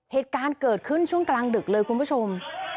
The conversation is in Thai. เหตุการณ์เกิดขึ้นช่วงกลางดึกเลยคุณผู้ชม